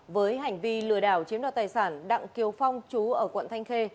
với hành vi lừa đảo chiếm đoạt tài sản đặng kiều phong chú ở quận thanh khê